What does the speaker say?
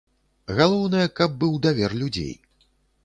Галоўнае, каб быў давер людзей.